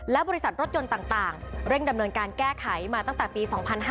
และบริษัทรถยนต์ต่างเร่งดำเนินการแก้ไขมาตั้งแต่ปี๒๕๕๙